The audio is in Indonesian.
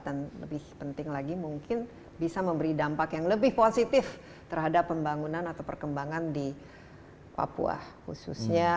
dan lebih penting lagi mungkin bisa memberi dampak yang lebih positif terhadap pembangunan atau perkembangan di papua khususnya